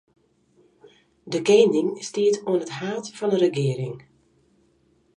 De kening stiet oan it haad fan 'e regearing.